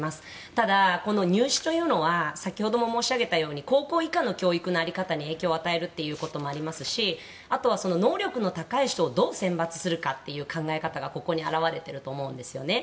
ただ、入試というのは先ほども申し上げたとおり高校以下の教育の在り方に影響与えるということもありますしあとは能力の高い人をどう選抜するかという考え方が、ここに表れてると思うんですよね。